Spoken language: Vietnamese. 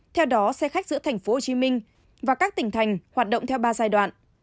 theo đó xe khách giữa tp hcm và các tỉnh thành hoạt động theo ba giai đoạn